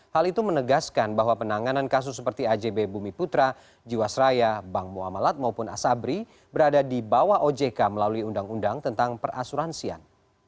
hal itu menegaskan bahwa penanganan kasus seperti ajb bumi putra jiwasraya bank muamalat maupun asabri berada di bawah ojk melalui undang undang tentang perasuransian